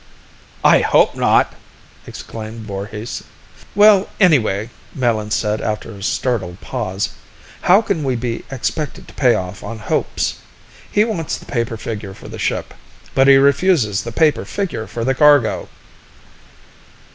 "I hope not!" exclaimed Voorhis. "Well, anyway," Melin said after a startled pause, "how can we be expected to pay off on hopes? He wants the paper figure for the ship; but he refuses the paper figure for the cargo."